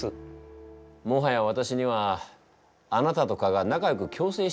もはや私にはあなたと蚊が仲よく共生しているように見えるが。